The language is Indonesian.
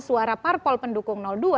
suara partai politik pendukung dua